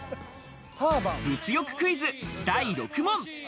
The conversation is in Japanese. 物欲クイズ第６問。